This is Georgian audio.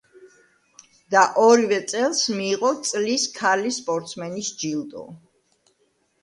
და ორივე წელს მიიღო წლის ქალი სპორტსმენის ჯილდო.